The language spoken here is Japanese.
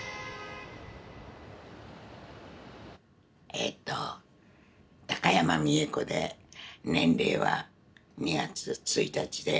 えっと高山美恵子で年齢は２月１日で８１歳。